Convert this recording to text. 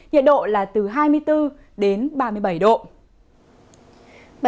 nhiệt độ là từ hai mươi bốn đến ba mươi bảy độ